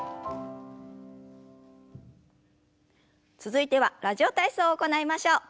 続いては「ラジオ体操」を行いましょう。